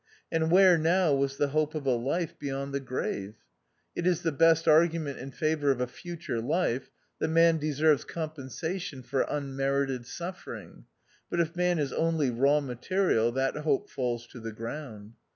And where now was the hope of a life beyond the grave \ It is the best argument in favour of a future life that man deserves compensation for un merited suffering ; but if man is only raw material that hope falls to the ground.